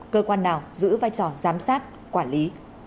cơ quan nào giữ vai trò giám sát quản lý